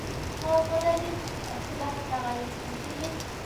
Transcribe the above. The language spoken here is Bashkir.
Һаубыҙ әле, Әптеләхәт ағай, үтегеҙ.